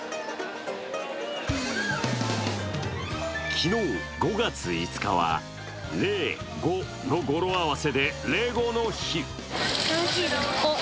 昨日、５月５日は０５の語呂合わせでレゴの日。